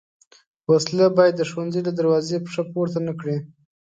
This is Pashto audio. وسله باید د ښوونځي له دروازې پښه پورته نه کړي